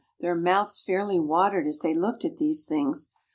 Their mouths fairly watered, as they looked at these things.